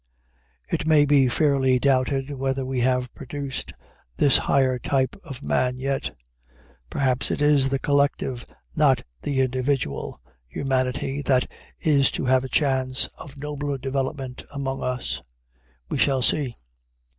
It may be fairly doubted whether we have produced this higher type of man yet. Perhaps it is the collective, not the individual, humanity that is to have a chance of nobler development among us. We shall see.